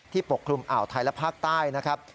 ปกคลุมอ่าวไทยและภาคใต้นะครับ